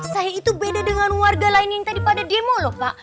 saya itu beda dengan warga lain yang tadi pada demo lho pak